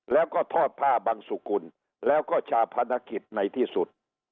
แล้วก็ทอดผ้าบังสุกุลแล้วก็ชาพนักกิจในที่สุด